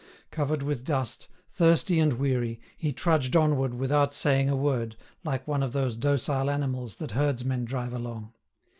Covered with dust, thirsty and weary, he trudged onward without saying a word, like one of those docile animals that herdsmen drive along.